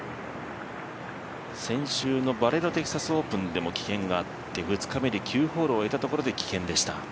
先週のバレロテキサスオープンでも棄権があって、２日目で９ホールを終えたところで棄権でした。